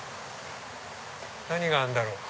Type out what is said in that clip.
何があるんだろう。